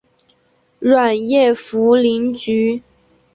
软叶茯苓菊